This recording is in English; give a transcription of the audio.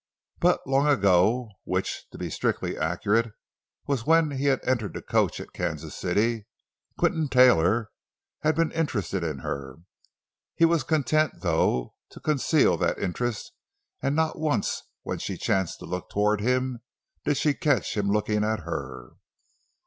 But long ago—which, to be strictly accurate, was when he had entered the coach at Kansas City—Quinton Taylor had been interested in her. He was content, though, to conceal that interest, and not once when she chanced to look toward him did she catch him looking at her.